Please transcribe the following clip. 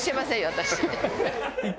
私。